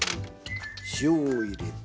塩を入れて。